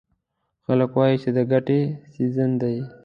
خلک وایي چې د ګټې سیزن دی.